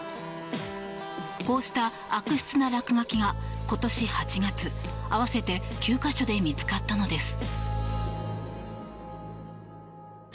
こうした悪質な落書きが今年８月、合わせて９か所で見つかったのです。